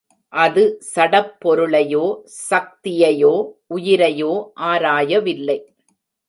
அது சடப் பொருளையோ, சக்தியையோ, உயிரையோ, ஆராயவில்லை.